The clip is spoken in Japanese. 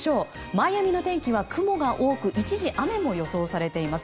マイアミの天気は雲が多く一時雨も予想されています。